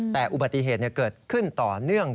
แต่อุบัติเหตุเกิดขึ้นต่อเนื่อง